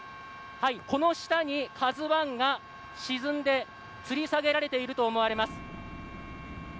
この下に「ＫＡＺＵ１」が沈んでつり下げられていると思われます。